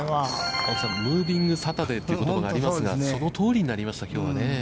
青木さん、ムービングサタデーということがありますが、そのとおりになりました、きょうはね。